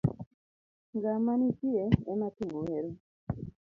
Ngama nitie ema thum wero